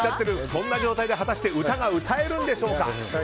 そんな状態で果たして歌が歌えるんでしょうか。